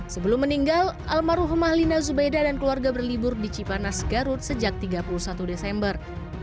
sebelum meninggal almarhumah lina zubaida dan keluarga berlibur di cipanas garut sejak tiga puluh satu desember